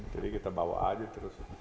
jadi kita bawa aja terus